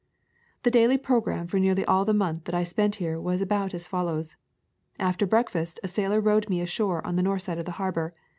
The daily programme for nearly all the month that I spent here was about as follows: After breakfast a sailor rowed me ashore on the north side of the harbor.